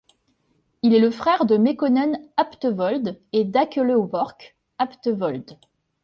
Il est le frère de Mekonnen Habtewold et d'Akele Worq Habtewold.